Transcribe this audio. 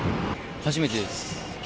初めてです。